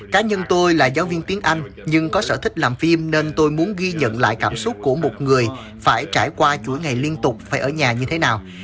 cá nhân tôi là giáo viên tiếng anh nhưng có sở thích làm phim nên tôi muốn ghi nhận lại cảm xúc của một người phải trải qua chuỗi ngày liên tục phải ở nhà như thế nào